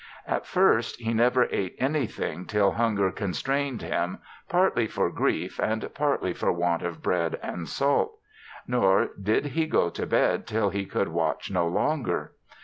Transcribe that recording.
At first he never eat anything till hunger constrained him, partly for grief, and partly for want of bread and salt; nor did he go to bed till he could watch no longer.